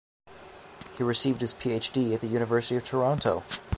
He received his Ph.D. at the University of Toronto.